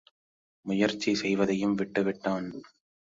முயற்சி செய்வதையும் விட்டுவிட்டான்.